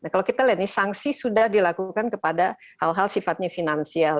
kalau kita lihat nih sanksi sudah dilakukan kepada hal hal sifatnya finansial